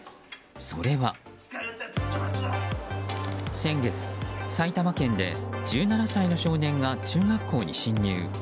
それは先月、埼玉県で１７歳の少年が中学校に侵入。